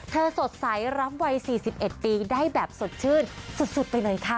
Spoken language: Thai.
สดใสรำวัย๔๑ปีได้แบบสดชื่นสุดไปเลยค่ะ